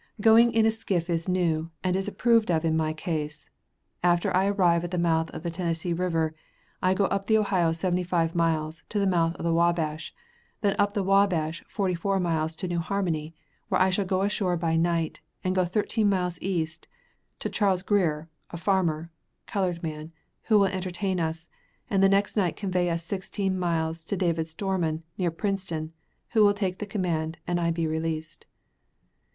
Going in a skiff is new, and is approved of in my case. After I arrive at the mouth of the Tennessee river, I will go up the Ohio seventy five miles, to the mouth of the Wabash, then up the Wabash, forty four miles to New Harmony, where I shall go ashore by night, and go thirteen miles east, to Charles Grier, a farmer, (colored man), who will entertain us, and next night convey us sixteen miles to David Stormon, near Princeton, who will take the command, and I be released.